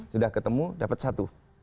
sudah ketemu dapat satu